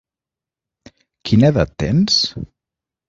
Quina edat tens?